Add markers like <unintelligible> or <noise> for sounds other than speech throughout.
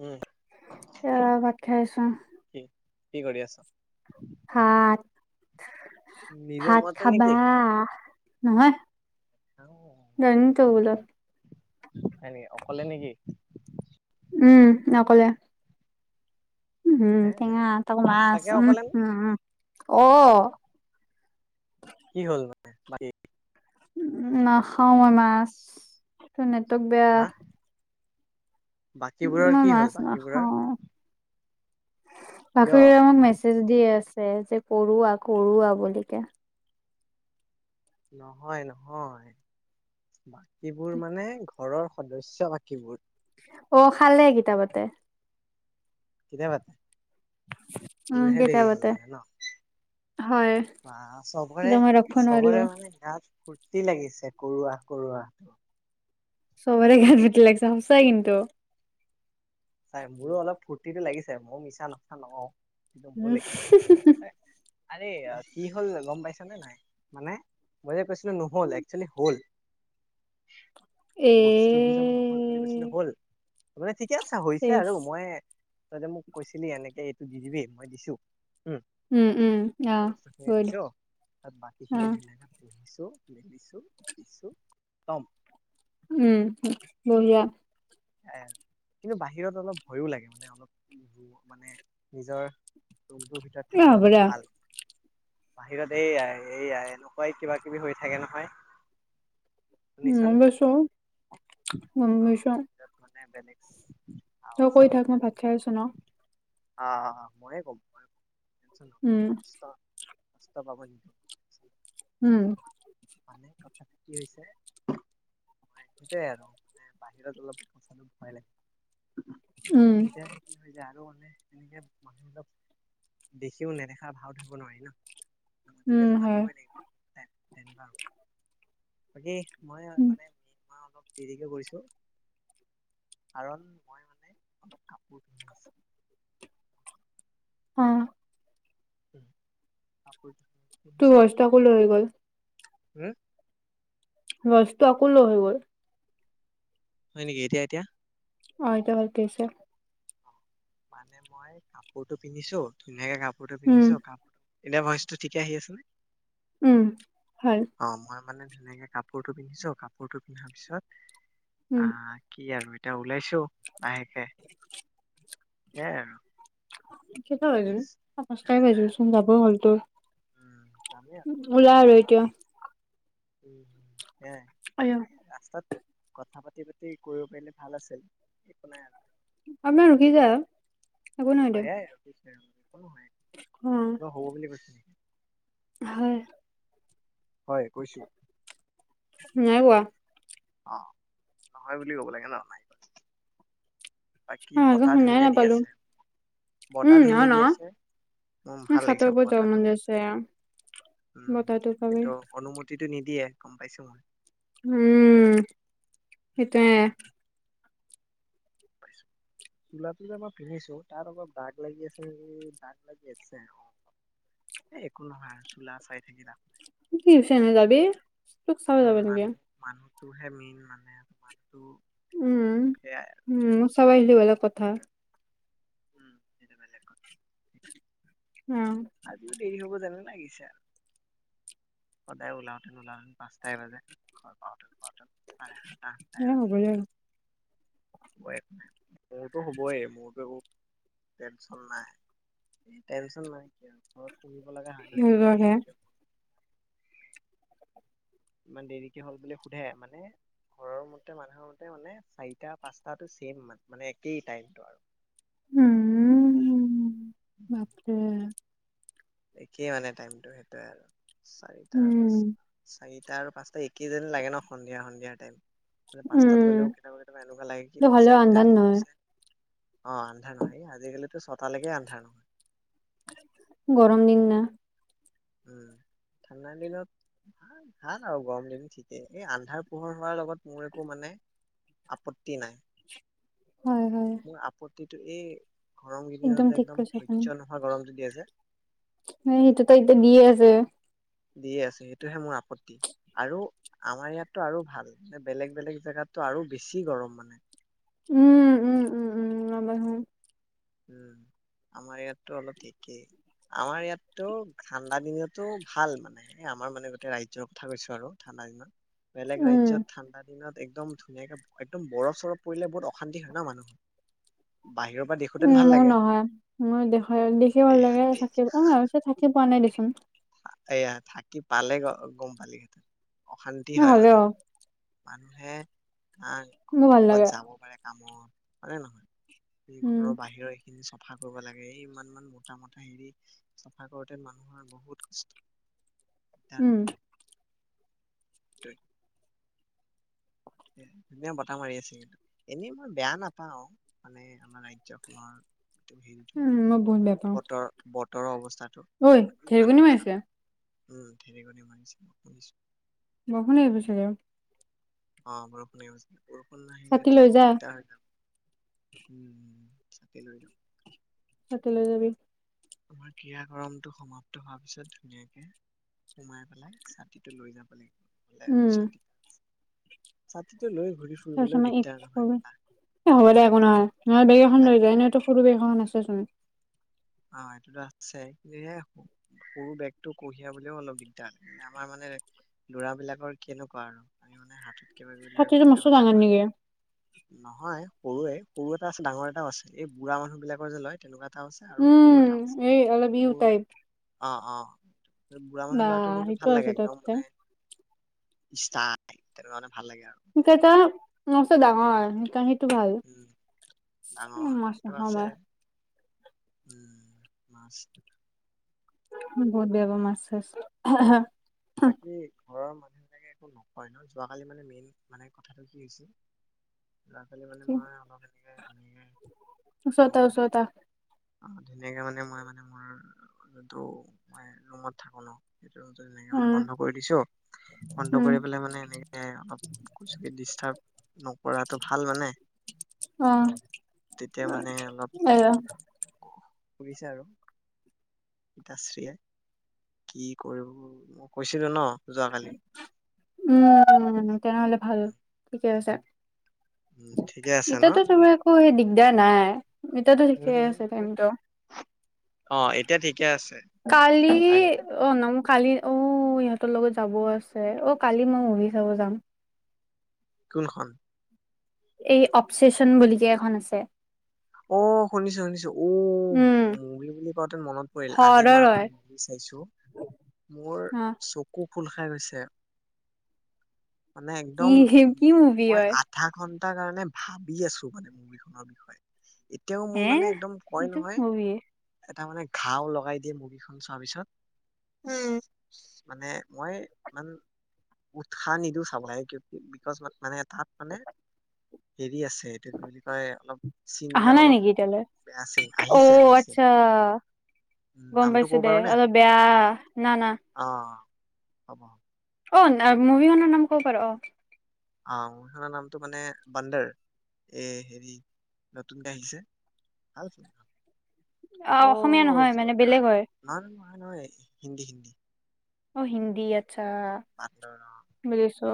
উম এ ভাত খাই আছো। কি কি কৰি আছ? ভাত নিজৰ ভাত ৰুমতে খাবা। নেকি? নহয়। ডাইনিং টেবুলত। হয় নেকি অকলে নেকি। উ'ম অকলে। উ ', উম।। হে ঙা ত সঁচাকে আছো উ অকলে নে ', উম।। অ', কি হ'ল মানে বাকী। নাখাও মই মাছ। তোক বেয়া। হা বাকীবোৰৰ মই কি হ'ল মাছ বাকীবোৰৰ নাখাওঁ। কিয় বখৰিমাক মেছেজ দি আছে। যে কৰোৱা কৰোৱাা বুলি কে। নহয় নহয়। এইবোৰ মানে ঘৰৰ। সদস্য বাকীবোৰ। অ খালে কিতা বাতে। কেতিয়া বাতে। উম তোৰহে দেৰি হ'ল কিতাপতে মানে ন হয় বা চবৰে এতিয়া মই ৰখিব নোৱাৰিলো চবৰে মানে গাত। ফুুৰ্তি লাগিছে কৰোৱা কৰোৱাটো। চবৰে গাত বিতি লাগিছে সঁচাই কিন্তু। চ মো অলপ ফুট। ফুটি লাগিছে মিছা নকওঁ। একদম ভোক উম লাগিছে আৰে কি হ'ল গম পাইছ। শুনিছ নে নাই মানে মই যে কৈছিলো নহল একচেলি হল। বস্তুটো যে অফাৰ বুলি কৈছিলে এ হ'ল। তান ঠিকে। আচ্ছা হৈছে আৰু মই। উম তইযে মোক কৈছিলি এনেকে এইটো নি দিবি মই দিছো। উম উম আহ বস্তু খিনি গৈ দিছো ত বাকী খিনি আহ ধুনীয়াক পুহিছো। মেলিছো দিছো খটম। উ'ম বহুিয়া। এ কিন্তু বাহিৰত অলপ ভয়ো লাগে মানে অলপ মানে নিজৰ। ৰুমত। ভিতৰত এ থাকিলে হ'ব অলপ দে ভাল বাহিৰত এইয়াই এইয়াই এনেকুৱাই কিবা কিবি হৈ থাকে নহয়। শুনিছানে গম পাইছো গম পাইছো। তাত মানে বেলেচ। অ', কৈ থাক মই ভাত খাই আছো ন। আহ, ময়ে ক'ম মই কম। ইছান আ', <unintelligible> উম কাষ্টা কষ্ট পাবনি? উম, টো কি হৈছে? মই সেইটোৱে আৰু মানে বাহিৰত অলপ সঁচটো ঘমাই ল <unintelligible> উম এতিয়া কি হৈ যায় আৰু মানে তেনেকে মানুহবিলক দেখিও নেদেখা ভাল ধৰিব নোৱাৰি ন। মতিলে মাটতি হয় নাই। তেনে বাকি মই মানেমাৰ অলপ দেৰিকে কৰিছো। কাৰণ মই মানে অলপ কাপোৰ পিন্ধিছো। অ আপ <unintelligible> তোৰ <unintelligible> সজ কোলৈ হৈ গ'ল উম, বস্তু আকৌ ল হয় গল। হয় নকি এতিয়া এতিয়া? অ', এতি ব', পছে। মানে মই কাপোৰতটো পিন্ধিছো ধুনীয়াকে কাপোৰ ফটো উম পিন্ধিছ কাপটো এনে ভইচটো ঠিকে আহি আছে নে? উম হয়। অ মই মানে ধুনকে কাপোৰতটো পিন্ধিছো কাপোৰতটো পিন্ধাৰ পিছত উম আহ কি আৰু এয়া ওলাইছো। আহিছে <unintelligible> হেম হৈ য পচাই বাই তেনেকাই আৰু চোন যাবই হ'লতো। উম যামেই আৰু অলপ উলাৰ হৈ পাত- কিয়? উম', আয়া সেয়াই ৰাস্তাত কথা পাতি-পাতি কৰিব পাৰিলে ভাল আছিল একো নাই আৰু। আপোনাৰ ৰখি যা একো নহাই দে। হয়। অ কিবা হব বুলি কৈছি। হয়। হয় কৈছো। নাই কোৱা। অ নহয় বুলি কব লাগে ন? বাকী অ ভালকে বতাহ শুনাই ধুনীয়া দি নাপালো আছে। বতাহ উম, অ', ধুনীয়া দি আছে, মোৰ ন ভাল ছাতৰ লাগিছে ওপৰত যাব মন মাথাটো। যাইছে উম বতাহটো পাবি কিন্তু অনুমতিত। কিন্তু নিদিয়ে গম পাইছো মই। উম, সেইটোৱে। ছো চোলাটো যে মই পিন্ধিছো তাত অলপ দাগ লাগি আছে নেকি? দাগ লাগি আছে। অ একো নহয় আৰু চোলা চাই থাকি লাভ নাই। টিউচন হে যাবি? উম মানুহ মানুহ। টো হে মেইন মানে মানেটো উম-উম-উ চব আইলি বেলেগ কথ থা। উম এইটো খাই ছেক কৰ। অ', আজিও দেৰি হব জাননে? লাগিছে আৰু। সদায় ওলাওতে ওলাওতে পাঁচটাই বাজে, ঘৰ পাওঁতে পাওঁতে চাৰে সাত। এ হ'ব যা। হব একো নাই। মোৰতো হ'বই মোৰতো একো টেনচন নাই। টেনচন নাইকিয়া ঘৰত পুহিব লগা হাঁহ ন ইমান সিহঁতৰহে দেৰি কিয়? ইমান দেৰিকে হ'ল বুলি সোধে। মানে ঘৰৰ মতে মানুহৰ মতে মানে চাৰিটা পাঁচটা টো মানে ছেম মানে একেই টাইমটো আৰু। উ-উ-উ-উ। বাপৰে একেই মানে টাইমটো সেইটোৱে আৰু। চাৰিটা বা উম, চা-চাৰিট এতিয়া আৰু পাঁচটা একেই যেন লাগে ন? সন্ধিয়া সন্ধিয়া টাইম। মানে পাঁচটাত উম, গ'লেও কেতিয়াবা কেতিয়াবা এনেকুৱা লাগে কি এইটো অ হ'লেও আন্ধাৰ চাৰিটাতহে নহয় গৈ। অ আন্ধা নহয়। এ আজিকালিতো ছতালেকে আন্ধা নহয়। গৰম দিন না। উম ঠাণ্ডা দিনত ভাল, ভাল আৰু গৰম দিন ঠিকেই এই আন্ধাৰ পোহৰ হোৱাৰ লগত মোৰ একো মানে আপত্তি নাই। হয় হয়। তই টো এই গৰম কেইদিনতে একদম সহ্য নহয় গৰমটো দি আ যে <unintelligible> সেইটো ত এতিয়া দিয়ে আছে। দি আছে সেইটোহে মোৰ আপত্তি আৰু আমাৰ ইয়াত টো আৰু ভাল বেলেগ বেলেগ জেগাত টো আৰু বেছি গৰম মানে। উম-উম-উম-উম নাবাঢ়ো। উম। আমাৰ ইয়াততো অলপ ঠিকেই। আমাৰ ইয়াততো ঠাণ্ডা দিনতো ভাল মানে। আমাৰ মানে গোটেই ৰাজ্যৰ কথা কৈছো আৰু ঠাণ্ডা দিনত। বেলেগ উম। ৰাজ্যত ঠাণ্ডা দিনত একদম ধুনীয়াকে একদম বৰফ চৰফ পৰিলে বহুত অশান্তি হয় ন মানুহৰ। বাহিৰৰ পৰা দেখোতেন উম ভাল মোৰ লাগে নহয়। মোৰ দেখাই - দেখি ভাল এয়া লাগে দেখ থাক অ অৱশ্যে থাকি পোৱা নাই দে <inaudible> এয়া থাকি পালে গ - গম পালিহেঁতেন। অশান্তি মোৰ হয় হ'লেও মানুহৰ। মানুহে <unintelligible> মোৰ ভাল ক'বাত লাগে। যাব পাৰে। <unintelligible> হয়নে নহয়? এই উম, ঘৰৰ বাহিৰৰ এইখিনি <unintelligible> <unintelligible> কৰিব লাগে এই ইমান মান মোটা মোটা হেৰি চাফা কৰোতে মানুহৰ বহুত <unintelligible> উম। হয়। <inaudible> <unintelligible> ধুনীয়া বতাহ মাৰি আছে কিন্তু, এনেই মই বেয়া নাপাও মানে আমাৰ ৰাজ্যখনৰ <unintelligible> উম, মই বহুত বেয়া পাওঁ। বতৰ বত <unintelligible> অৱস্থাত ঐ ঢেৰেকণি মাৰিছে। উম। ঢেৰেকণি মাৰিছে। শুনিছোঁ। বৰষুণ আহিব ছাগে? অ' বৰষুণ আহিব ছাগে। বৰষুণ নাহিলে ছাতি তো লৈ যা দিগদাৰ হৈ যাব। উম। ছাতি লৈ যাম। <unintelligible> লৈ যাবি। আমাৰ ক্ৰিয়াকৰমটো সমাপ্ত হোৱাৰ পিছত ধুনীয়াকে, সোমাই পেলাই ছাতিটো লৈ যাব লাগে। উম, <unintelligible> <unintelligible> ছাতিটো লৈ ঘূৰি ফুৰিবলৈও <unintelligible> দিগদাৰ নহয় এ হ'ব দে একো লাগিলে নহয়। <unintelligible> বেগ এখন লৈ <unintelligible> লাগিলে এনেওটো সৰু বেগ এখন আছে চোন। অ সেইটোটো আছে কিন্তু <unintelligible> সৰু বেগটো কঢ়িয়াবলেও অলপ দিগদাৰ আমাৰ মানে লৰাবিলাকৰ কেনেকুৱা আৰু আমি মানে হাতত <unintelligible> ছাতিটো মস্ত ডাঙৰ নেকি? নহয়। সৰুৱেই। সৰু এটা আছে, ডাঙৰ এটাও আছে। এই বুঢ়া মানুহ বিলাকৰ যে লয় তেনেকুৱা <unintelligible> ছে আৰু সৰু উম, এটাও এই অলপ ইউ <unintelligible> টাইপ অ' অ'। বা ব্ৰাহ্মণৰ লৰাটো কিন্তু সেইটো ভাল আছে লাগে। তহঁতৰ একদম তাতে। মানে াই তেনে কাৰণে ভাল লাগে আৰু এ এটা ম ডাঙৰ ভাল। উম উম ডাঙৰ মাছ এইটো নাখাওঁ মই। আছে উম মছ বহুত বেয়া পাওঁ মাছ চাছ বাকী ঘৰৰ মানহ একো নকয় ন যোৱাকালি মানে মেইন মানে কথাটো কি হৈছে ল'ৰা ছোৱালী মানে মই অলপ এনেকে তেনেকে ওচৰতে মোৰ ওচৰতে অ ধুনীয়াকে মানে মই মানে মোৰ যোনটো মই ৰুমত থাকো ন সেইটো এনেকে মানে উম বন্ধ কৰি দিছো বন্ধ উম কৰি পেলাই মানে এনেকে অলপ ডিষ্টাৰ্ব নকৰাটো ভাল মানে অ তেতিয়া মানে অলপ এয়া শুজিছো আৰু দচ্ৰাই কি কৰিব মই কৈছিলো ন। যোৱাকালি উম তেনেহলে ভাল ঠিকে আছে উম ঠিকে আছে ন ইতাতো চব আকৌ সেইদি বিদা নাই এতিয়াতো ঠিকে আছে টাইমটো অ এতিয়া ঠিকে আছে খালি আই অ নম কালি অ ইহঁতৰ লগত যাবও আছে অ কালি মই মুভি চাব যাম। কোনখন? এই অপচেচন বিকে এখন আছে। অ শুনিছো শুনিছো উ উম মুগী বুলি কওঁতে মনত পৰিল আজি হৰৰ মই এখন হয় মুগী চাইছো মোৰ অ চকু ফুল খাই গৈছে। মানে কি একদম উ কি মুভি মই হয় আঠাখন এটা কাৰণে ভাবি আছো মানে মুভিখনৰ বিষয়ে এতিয়াও হে মোৰ মানে একদম কয় এইটো কি নহয় মুভি তাৰ মানে ঘা লগাই দিয়ে মুৰ্গীখন চোৱাৰ পিছত উম <inaudible> মানে মই ইমান উৎসাহ নিদো চাবলৈ ক বিকজ ম মানে তাত মানে হেৰি আছে এইটো কি বুলি কয় অলপ চিন অহা বিলাক নাই অলপ নেকি এতিয়ালৈ বেয়া চিন অ আহিছে আহিছে আচ্ছা গম নামটো পাইছো ক'ব দে পাৰো নে? অলপ বেয়া না না অম অ মভি ম নাম ক'ব পাৰ অ অ মখনৰ নামটো মানে বান্দাৰ এই হেৰি নতুনকৈ আহিছে ভাল ফোনখন অ অসমীয়া নহয় মানে বেলেগ হয়। নহয় নহয় হিন্দী হিন্দী। অ হিন্দী ইয়াত। আচ্ছা বান্দৰ অ বুজিছো।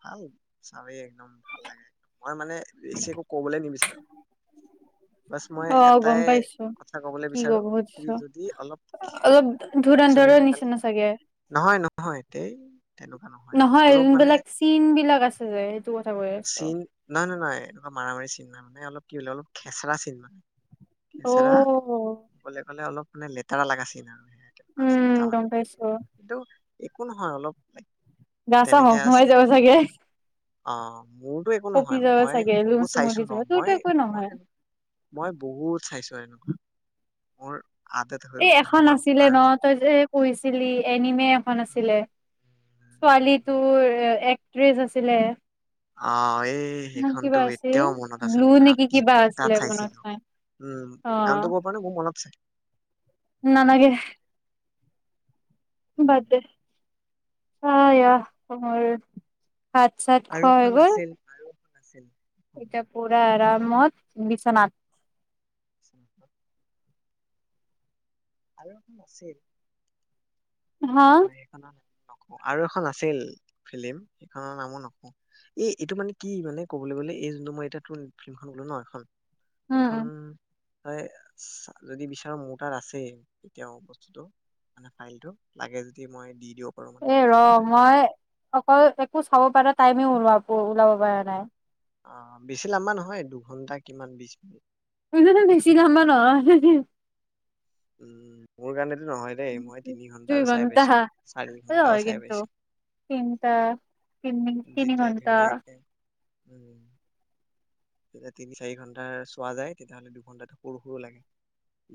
ভাল চামেই একদম ভাল লাগে। মই মানে বেছি একো ক'বলৈ নিবিচাৰো। বাছ মই অ গম এটাই পাইছো কথা কবলৈ কি বিচাৰো কব কি খুজিছো যদি অলব অলপ <unintelligible> ধুৰন্ধৰৰ সোনকালে নিচিনা চাগে নহয় নহয় ধেই তেনেকুৱা নহয় অ অলপ মানে চিন বিলাক আছে যে সেইটো কথা কৈ আছো। চিন নহয় নহয় নহয় এনেকুৱা মাৰা মাৰি চিনমা মানে অলপ কি বোলে অলপ খেচৰা চিন মানে। অ খেচেৰা অকলে অকলে অলপ। মানে লেতেৰা লগাচিন উম আৰু। গম পাইছো <unintelligible> একো নহয় অলপ। গা চা তেনেকে হহুৱাই আছে যাব চাগে। অ। মোৰতো একো কঁপি নহয় যাব মই চাগে লুম বহুত চাইছো চুমৰি ন যাব মই তোৰতো একো মই নহয় মই বহুত চাইছো এনেকুৱা। মোৰ আদত হৈ এ গ'ল, মানে এখন মই আছিলে ন পাৰো তই যে কৈছিলি এনিমে এখন আছিলে ছোৱালী তোৰ এক্ট্ৰেছ আছিলে। অ এই ইমান সেইখনতো কিবা আছিল এতিয়াও মনত আছে ব্লু নয় নেকি ৰাতি কিবা দুটাত আছিলে মনত চাইছিলো নাই উম অ গানতো মোৰ মনে মোৰ মনত আছে। নালাগে। উম। বাদ দে আয়া <unintelligible> ভাত চাত খোৱা হৈ গ'ল। অ আছিল। উম, এতিয়া পুৰা আৰামত বিছনাত। আ <unintelligible> আৰু এখন আাছিল। হা হয় এইকাৰখনত। আৰু এখন আছিল ফিল্ম সেইখনৰ নামো নকওঁ এই এইটো মানে কি মানে কবলৈ গলে এই যোনটো মই এতি ফিল্মখন কলো ন এখন। উম এখন। উম তই যদি বিচাৰো মোৰ তাত আছেই এতিয়াও বস্তুটো মানে ফাইলটো। লাগে যদি মই দি। দিব পাৰো মানে এ ৰ কোনো উপায় নাই মই অকল একো চাব পাৰা টাইমে ওলোৱা ওলাব পৰা নাই। অ বেছি লাম্বা নহয় দুঘন্টা কিমান বিচ মিনিট। <unintelligible> বেছি <unintelligible> নহয়। উম। মোৰ কাৰণে নহয় দেই মই তিনি দুই ঘণ্টাৰো চাই ঘণ্টা পাইছো, চাৰি হয় ঘণ্টাও চাই কিন্তু পাইছো। তিনটা <unintelligible> তিনি যেতিয়া ঘণ্টা ধুনীয়াকে উম। তেতিয়া তিনি চাৰি ঘন্টা চোৱা যায় তেতিয়া হ'লে দুঘন্টাটো সৰু সৰু লাগে।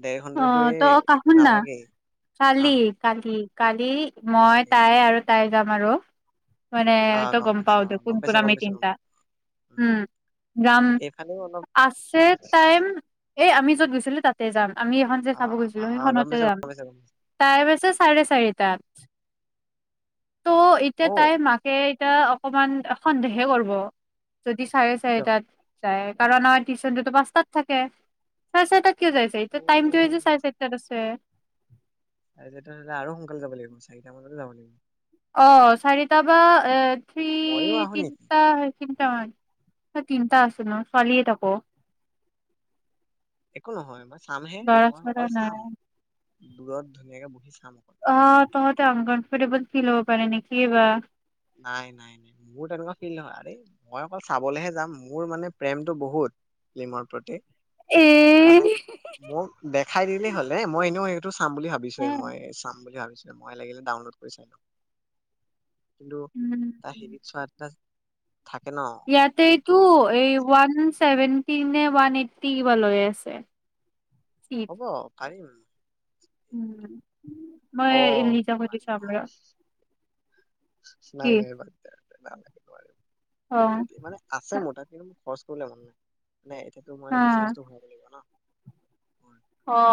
ডেৰ অ ঘন্টাতো এই তো <unintelligible> একো শুন না নালাগেই অ কালি কালি কালি মই খালি তাই আৰু তাই যাম আৰু। মানে অ তই গম পাইছো পাও অ দে কোন গম কোন পাইছো গম আমি পাইছো গম তিনিটা। পাইছো উম। যাম। এইফালেও অলপ আছে টাইম। এই আমি যত গৈছিলো তাতে যাম। আমি এখন যে অ চাব অ গৈছিলো, গম সেইখনতে পাইছো যাম। গম পাইছো গম পাইছো টাইম আছে চাৰে চাৰিটাত। ত' এতিয়াৰ অ তাই মাকে এতিয়া অকমান সন্দেহহে কৰব্‌। যদি চাৰে কিয় চাৰিটাত <unintelligible> কাৰণ আমাৰ টিউচন টোতো পাঁচটাত থাকে। চাৰে ছয়টাত কিয় যাই আছা <unintelligible> টাইমটোয়ে যে চাৰে চাৰিটাত আছে। চাৰে চাৰিটাত হলে আৰু সোনকালে যাব লাগিব চাৰিটা মানতে যাব লাগিব। অ চাৰিটা বা এ থ্ৰী মইয়ো আহো নেকি তিনিটা <unintelligible> <unintelligible> তিনটা আছোঁ ন ছোৱালীয়ে থাকোঁ। একো নহয় মই চামহে মই চৰা অকল চাম। নাই দূৰত ধুনীয়াকে ব <unintelligible> অ তহঁতে আনকনফৰ্টেবল ফিল হব পাৰে নেকি কিয়ে বা? নাই নাই নাই মোৰ তেনেকুৱা ফিল নহয় আৰে মই অকল চাবলেহে যাম মোৰ মানে প্ৰেমটো বহুত ফিল্মৰ প্ৰতি। হে সেইকাৰণে মোক দেখাই দিলে হ'লে মই এনেও চাম বুলি ভাবিছোৱে মই চাম বুলি ভাবি মই লাগিলে ডাউনলোড কৰি চাই লম। কিন্তু <unintelligible> থাকে ন ইয়াতে কিন্তু এইটো এই ওৱান চেভেনটি নে ওৱান এইটটি কিবা লৈ আছে। চিট হ'ব। <unintelligible> উম। মই অ <unintelligible> কি নাই নাই অ <unintelligible> <inaudible> মানে আছে মোটা খচ ত ন মে নাই এতিয়াতো মই অ ৰিচাৰটো লাগিব ন অ